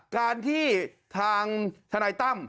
การที่ทางทนายตั้ม